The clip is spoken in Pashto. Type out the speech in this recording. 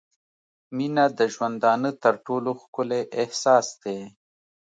• مینه د ژوندانه تر ټولو ښکلی احساس دی.